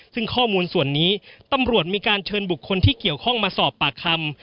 ซึ่งข้อมูลส่วนนี้ตำรวจมีการเชิญบุคคลที่เกี่ยวข้องมาสอบปากคำ